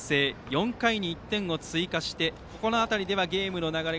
４回に１点を追加してこの辺りではゲームの流れ